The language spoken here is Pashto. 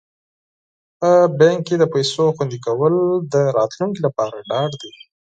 په بانک کې د پيسو خوندي کول د راتلونکي لپاره ډاډ دی.